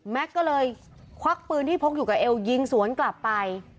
ก็เลยควักปืนที่พกอยู่กับเอวยิงสวนกลับไป